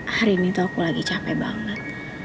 hari ini tuh aku lagi capek banget